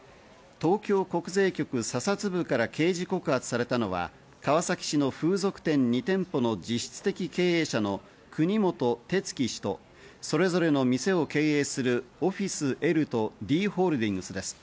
東京国税局査察部から刑事告発されたのは川崎市の風俗店２店舗の実質的経営者の国本哲樹氏とそれぞれの店を経営する、オフイスＬとＤホールディングスです。